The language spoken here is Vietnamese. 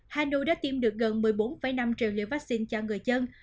hà nội đã tiêm được gần một mươi bốn năm triệu liều vaccine cho người dân